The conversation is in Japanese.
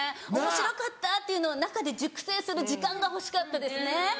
おもしろかったっていうのを中で熟成する時間が欲しかったですね。